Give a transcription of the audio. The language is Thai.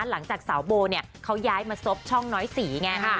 หลังจากสาวโบเนี่ยเขาย้ายมาซบช่องน้อยสีไง